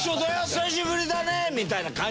久しぶりだねみたいな感じだったよ